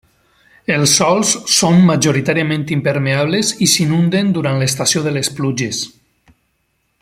Els sòls són majoritàriament impermeables i s'inunden durant l'estació de les pluges.